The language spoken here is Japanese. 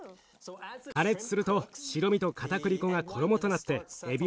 加熱すると白身とかたくり粉が衣となってエビを守るんだ。